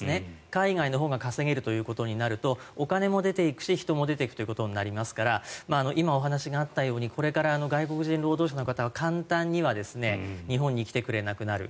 海外のほうが稼げるとなるとお金も出ていくし人も出ていくことになりますから今お話があったようにこれから外国人労働者の方は簡単には日本に来てくれなくなる。